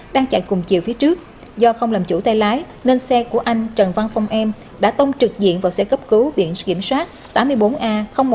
đang chạy cùng chiều phía trước do không làm chủ tay lái nên xe của anh trần văn phong em đã tông trực diện vào xe cấp cứu biển kiểm soát tám mươi bốn a một nghìn chín trăm